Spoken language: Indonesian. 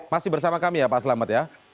masih bersama kami ya pak selamat ya